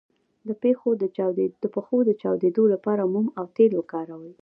د پښو د چاودیدو لپاره موم او تېل وکاروئ